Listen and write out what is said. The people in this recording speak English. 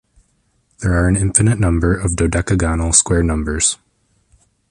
There are an infinite number of dodecagonal square numbers.